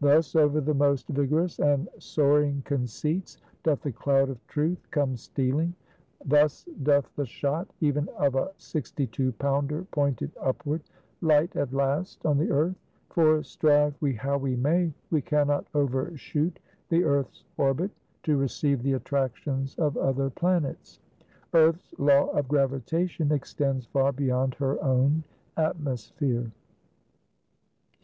Thus over the most vigorous and soaring conceits, doth the cloud of Truth come stealing; thus doth the shot, even of a sixty two pounder pointed upward, light at last on the earth; for strive we how we may, we can not overshoot the earth's orbit, to receive the attractions of other planets; Earth's law of gravitation extends far beyond her own atmosphere.